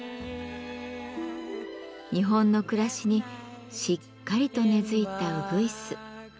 日本の暮らしにしっかりと根づいたうぐいす。